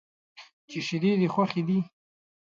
چې شیدې دې خوښ دي.